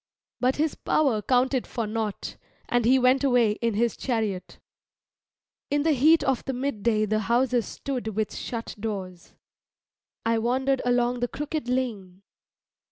But his power counted for nought, and he went away in his chariot. In the heat of the midday the houses stood with shut doors. I wandered along the crooked lane.